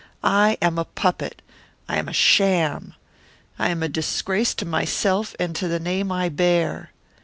I am a puppet I am a sham I am a disgrace to myself and to the name I bear!"